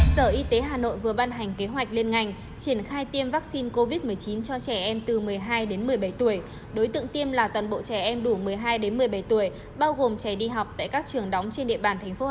các bạn hãy đăng ký kênh để ủng hộ kênh của chúng mình nhé